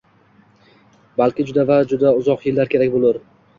Balki juda va juda uzoq yillar kerak boʻlar.